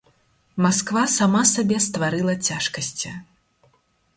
Масква сама сабе стварыла цяжкасці.